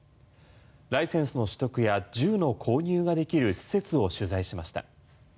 ライセンスの取得や銃の購入ができる施設を取材しました。